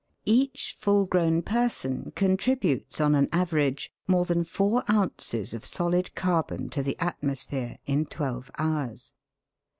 Each full grown person contributes on an average more than four ounces of solid carbon to the atmo sphere in twelve hours.